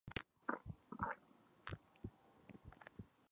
The large interior provided ample room for electronic equipment.